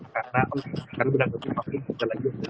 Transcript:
karena akan berangkat lebih mungkin lebih lagi lebih lagi